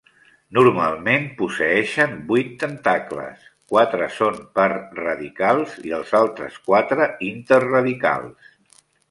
Normalment posseeixen vuit tentacles; quatre són per-radicals i els altres quatre inter-radicals.